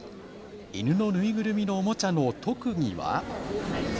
犬の縫いぐるみのおもちゃの特技は。